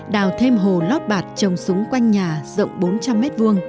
đào thêm hồ lót bạc trồng súng quanh nhà rộng bốn trăm linh m hai